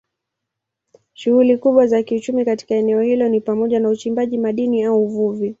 Shughuli kubwa za kiuchumi katika eneo hilo ni pamoja na uchimbaji madini na uvuvi.